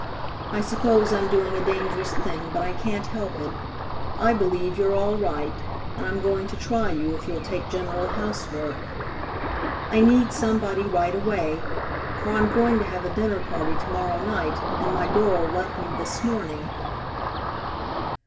I suppose I'm doing a dangerous thing, but I can't help it. I believe you're all right, and I'm going to try you, if you'll take general housework. I need somebody right away, for I'm going to have a dinner party to morrow night, and my girl left me this morning."